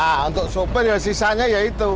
nah untuk sopir ya sisanya ya itu